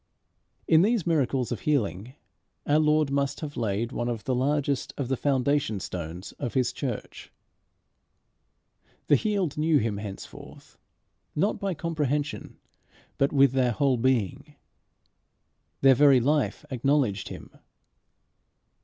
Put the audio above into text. In these miracles of healing our Lord must have laid one of the largest of the foundation stones of his church. The healed knew him henceforth, not by comprehension, but with their whole being. Their very life acknowledged him.